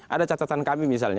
ada catatan kami misalnya